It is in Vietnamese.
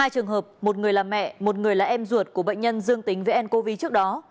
hai trường hợp một người là mẹ một người là em ruột của bệnh nhân dương tính với ncov trước đó